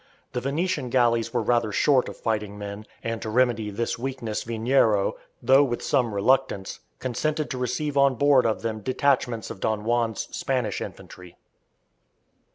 The Venetian galleys were rather short of fighting men, and to remedy this weakness Veniero, though with some reluctance, consented to receive on board of them detachments of Don Juan's Spanish infantry.